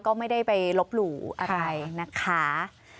ก็ไม่ได้ไปลบหลู่อะไรนะคะ